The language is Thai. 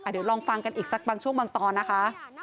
เดี๋ยวลองฟังกันอีกสักบางช่วงบางตอนนะคะ